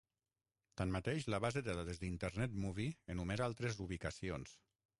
Tanmateix, la base de dades d'Internet Movie enumera altres ubicacions.